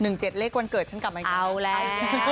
นี่๑๗เลขวันเกิดฉันกลับมากันเลยเอาแล้ว